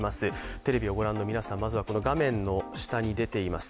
テレビをご覧の皆さん、まずは画面の下に出ています